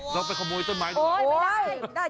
เราไปขโมยต้นไม้ดูแล้ว